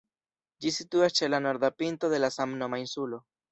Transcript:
Ĝi situas ĉe la norda pinto de la samnoma insulo.